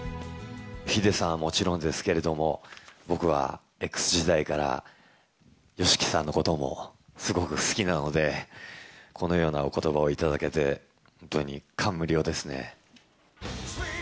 ｈｉｄｅさんはもちろんですけれども、僕はＸ時代からＹＯＳＨＩＫＩさんのこともすごく好きなので、このようなおことばを頂けて、本当に感無量ですね。